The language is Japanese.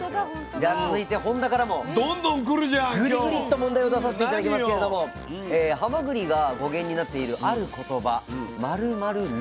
じゃあ続いて本田からもグリグリッと問題を出させて頂きますけれどもはまぐりが語源になっているある言葉「○○る」。